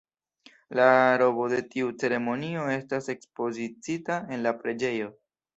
La robo de tiu ceremonio estas ekspoziciita en la preĝejo.